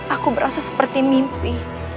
aku berasa seperti mimpi